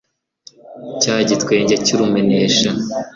cya gitwenge cy'urumenesha